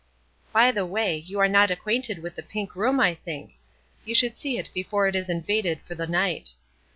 By the way, you are not acquainted with the pink room, I think? You should see it before it is invaded for the night.